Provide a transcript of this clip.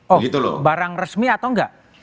oh barang resmi atau tidak